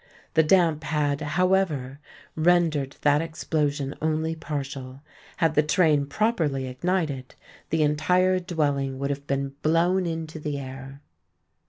The damp had, however, rendered that explosion only partial: had the train properly ignited, the entire dwelling would have been blown into the air.